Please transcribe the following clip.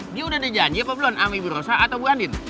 dia udah di janji apa belum sama ibu rosa atau ibu andin